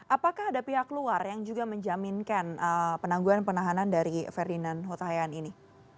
apakah ada pihak luar yang juga menjaminkan penangguhan penahanan dari ferdinand hotahian ini